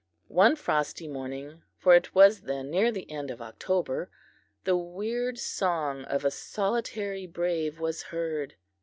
One frosty morning for it was then near the end of October the weird song of a solitary brave was heard.